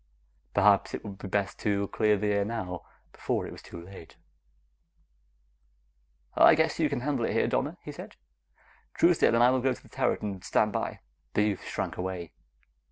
Perhaps it would be best to clear the air now, before it was too late. "I guess you can handle it here, Donna," he said. "Truesdale and I will go to the turret and stand by." The youth shrank away.